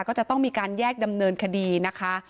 ก็จะต้องมีการแยกดำเนินคดีนะคะ